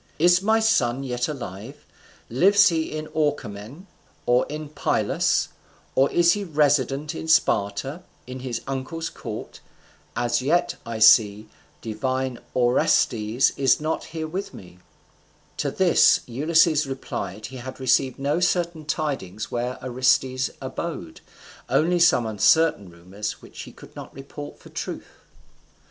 is my son yet alive? lives he in Orchomen, or in Pylus, or is he resident in Sparta, in his uncle's court? As yet, I see, divine Orestes is not here with me." To this Ulysses replied that he had received no certain tidings where Orestes abode, only some uncertain rumours which he could not report for truth.